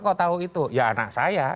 kok tahu itu ya anak saya